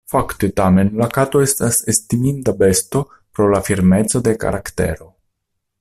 Fakte tamen la kato estas estiminda besto pro la firmeco de karaktero.